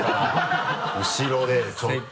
後ろでちょっと。